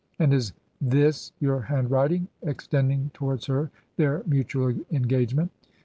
' And is this your handwriting?' ex tending towards her their mutual engagement.